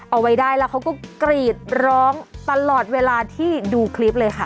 เอาไว้ได้แล้วเขาก็กรีดร้องตลอดเวลาที่ดูคลิปเลยค่ะ